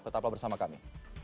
tetaplah bersama kami